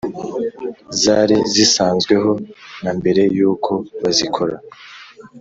Zari zisansweho na mbere y’uko bazikora